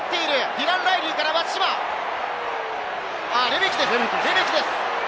ディラン・ライリーから松島、レメキです！